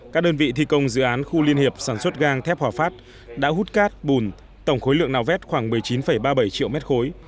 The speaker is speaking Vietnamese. các đơn vị thi công dự án khu liên hiệp sản xuất gang thép hòa phát đã hút cát bùn tổng khối lượng nạo vét khoảng một mươi chín ba mươi bảy triệu mét khối